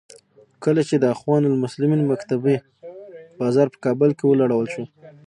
کله چې د اخوان المسلمین مکتبې بازار په کابل کې ولړل شو.